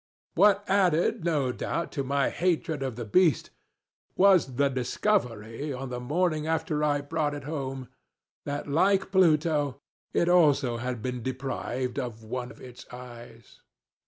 What added, no doubt, to my hatred of the beast, was the discovery, on the morning after I brought it home, that, like Pluto, it also had been deprived of one of its eyes.